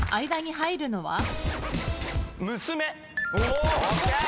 間に入るのは？